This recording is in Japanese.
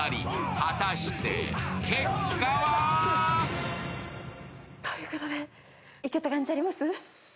果たして結果は？ということで、イケた感じあります？